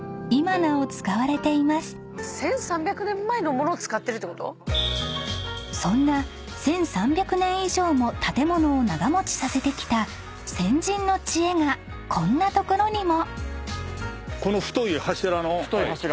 １，３００年前の物を使ってるってこと⁉［そんな１，３００年以上も建物を長持ちさせてきた先人の知恵がこんな所にも］